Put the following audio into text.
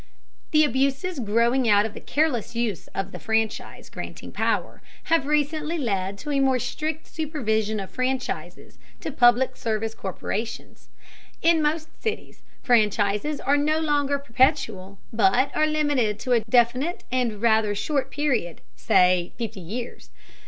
The abuses growing out of the careless use of the franchise granting power have recently led to a more strict supervision of franchises to public service corporations. In most cities, franchises are no longer perpetual, but are limited to a definite and rather short period, say fifty years.